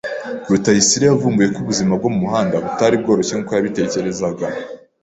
Rutayisire yavumbuye ko ubuzima bwo mumuhanda butari bworoshye nkuko yabitekerezaga.